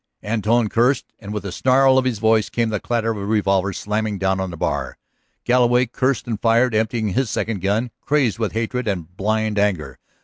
Antone cursed, and with the snarl of his voice came the clatter of a revolver slammed down on the bar. Galloway cursed and fired, emptying his second gun, crazed with hatred and blind anger.